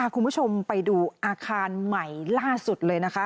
คุณผู้ชมไปดูอาคารใหม่ล่าสุดเลยนะคะ